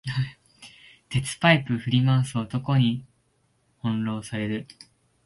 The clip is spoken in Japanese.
鉄パイプ振り回す男に翻弄される